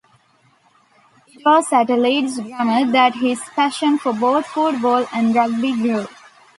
It was at Leeds Grammar that his passion for both football and rugby grew.